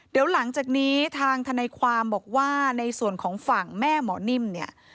เดี๋ยวหลังจากนี้ทางทนายความบอกว่าในส่วนของฝั่งแม่หมอนิ่มเนี่ย